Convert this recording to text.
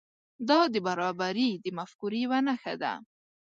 دا د برابري د مفکورې یو نښه ده.